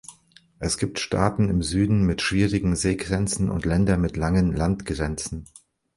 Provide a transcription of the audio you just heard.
Es gibt Staaten im Süden mit schwierigen Seegrenzen und Länder mit langen Landgrenzen.